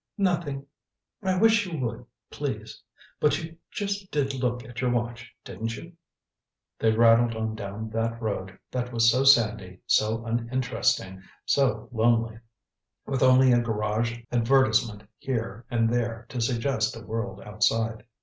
"Nothing. I wish you would, please but you just did look at your watch, didn't you?" They rattled on down that road that was so sandy, so uninteresting, so lonely, with only a garage advertisement here and there to suggest a world outside.